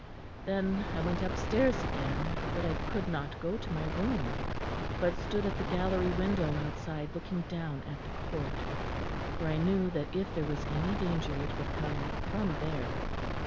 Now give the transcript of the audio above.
"Then I went upstairs again, but I could not go to my room, but stood at the gallery window outside looking down at the court, for I knew that if there was any danger it would come from there.